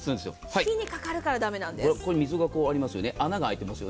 火にかかるから駄目なんです。